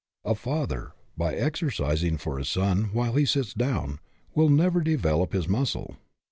A father, by exercising for his son, while he sits down, will never develop his muscle.